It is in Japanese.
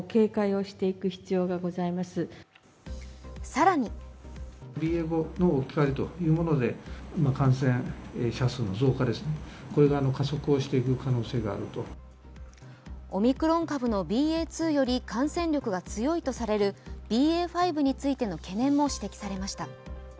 更にオミクロン株のＢＡ．２より感染力が強いとされるＢＡ．５についての懸念も指摘されました。